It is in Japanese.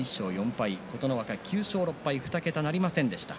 琴ノ若は２桁なりませんでした。